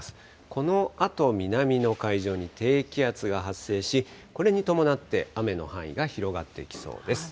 このあと、南の海上に低気圧が発生し、これに伴って雨の範囲が広がってきそうです。